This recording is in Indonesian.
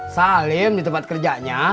salim di tempat kerjanya